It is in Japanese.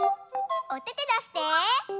おててだして！